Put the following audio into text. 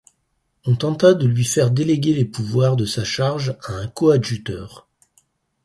On tenta de lui faire déléguer les pouvoirs de sa charge à un coadjuteur.